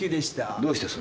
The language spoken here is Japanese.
どうしてそれが？